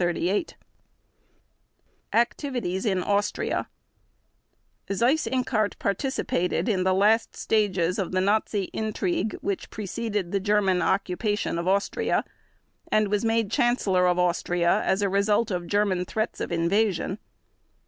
Activities in Austria Seyss Inquart participated in the last stages of the Nazi intrigue which preceded the German occupation of Austria, and was made Chancellor of Austria as a result of German threats of invasion.